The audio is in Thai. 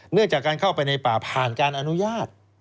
เรื่องจากการเข้าไปในป่าผ่านการอนุญาต